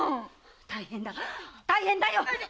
大変だ大変だよ！